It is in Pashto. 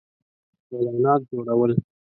-اعلانات جوړو ل